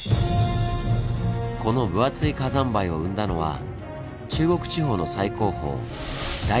この分厚い火山灰を生んだのは中国地方の最高峰